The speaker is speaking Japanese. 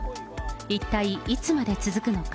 一体いつまで続くのか。